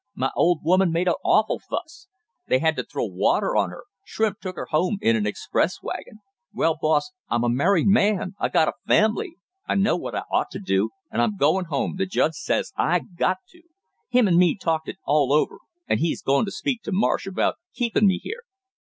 My old woman made an awful fuss! They had to throw water on her; Shrimp took her home in an express wagon. Hell, boss, I'm a married man I got a family! I know what I ought to do, and I'm goin' home, the judge says I got to! Him and me talked it all over, and he's goin' to speak to Marsh about keepin' me here!"